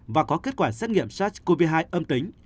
và có kết quả xét nghiệm sars cov hai âm tính